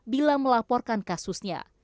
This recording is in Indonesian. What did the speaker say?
bila melaporkan kasusnya